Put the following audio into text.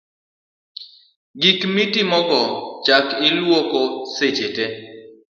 gik miting'ogo chak iluoko seche te